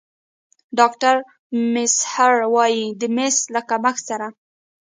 ډاکتر میزهر وايي د مس له کمښت سره